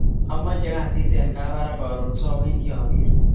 amache kasit en Kabarak karun so awendi akere